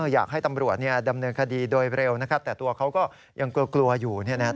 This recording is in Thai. อยากให้ตำรวจดำเนินคดีโดยเร็วนะครับแต่ตัวเขาก็ยังกลัวอยู่